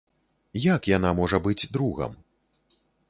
Як яна можа быць другам?